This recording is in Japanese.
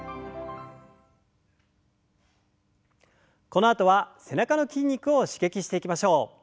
このあとは背中の筋肉を刺激していきましょう。